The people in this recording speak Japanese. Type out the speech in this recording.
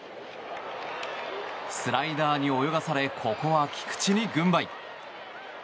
スライダーに泳がされここは菊池に軍配。